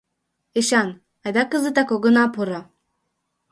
Эчан, айда кызытак огына пуро.